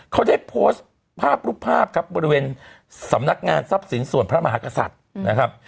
เขาได้โพสต์ภาพรูปภาพครับบริเวณสำนักงานทรัพย์สินส่วนพระมหากษัตริย์นะครับ